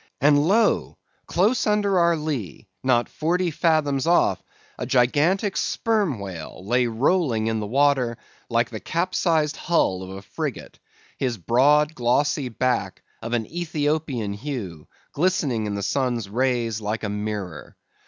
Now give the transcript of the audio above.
And lo! close under our lee, not forty fathoms off, a gigantic Sperm Whale lay rolling in the water like the capsized hull of a frigate, his broad, glossy back, of an Ethiopian hue, glistening in the sun's rays like a mirror.